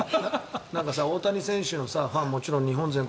大谷選手のファンはもちろん日本全国